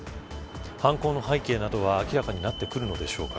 犯行の背景などは明らかになってくるのでしょうか。